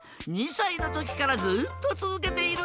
２さいのときからずっとつづけているんだ。